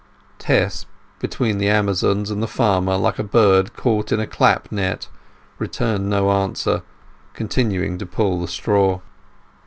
Tess, between the Amazons and the farmer, like a bird caught in a clap net, returned no answer, continuing to pull the straw.